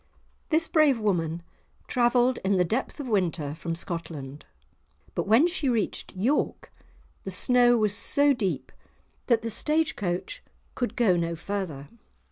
This brave woman travelled in the depth of winter from Scotland, but when she reached York the snow was so deep that the stage coach could go no further.